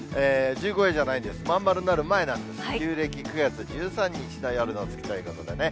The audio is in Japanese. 十五夜じゃないんです、真ん丸になる前なんですよ、旧暦９月１３日の夜の月ということでね。